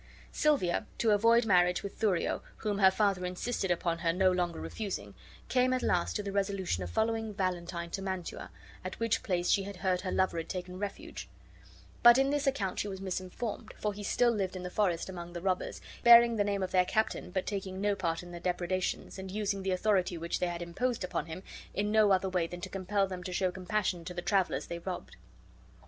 Silvia, to avoid a marriage with Thurio, whom her father insisted upon her no longer refusing, came at last to the resolution of following Valentine to Mantua, at which place she had heard her lover had taken refuge; but in this account she was misinformed, for he still lived in the forest among the robbers, hearing the name of their captain, but taking no part in their depredations, and using the authority which they had imposed upon him in no other way than to compel them to show compassion to the travelers they robbed.